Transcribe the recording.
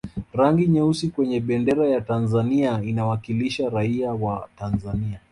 rangi nyeusi kwenye bendera ya tanzania inawakilisha raia wa tanzania